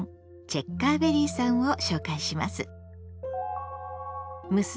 チェッカーベリーさんを紹介します。